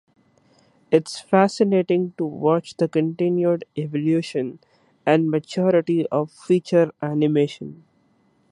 It's fascinating to watch the continued evolution and maturity of feature animation.